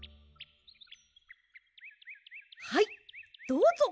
はいどうぞ。